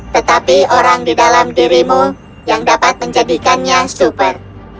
tetapi orang di dalam dirimu yang dapat menjadikannya super